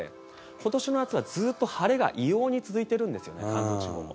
今年の夏は、ずっと晴れが異様に続いているんですよね関東地方も。